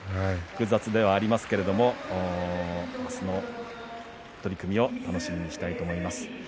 複雑ではありますけれどもその取組は楽しみにしたいと思います。